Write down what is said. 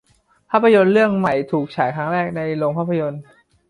ภาพยนตร์เรื่องใหม่ถูกฉายครั้งแรกในโรงภาพยนตร์